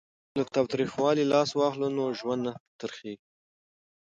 که له تاوتریخوالي لاس واخلو نو ژوند نه تریخیږي.